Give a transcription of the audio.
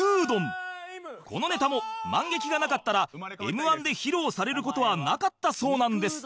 このネタもマンゲキがなかったら Ｍ−１ で披露される事はなかったそうなんです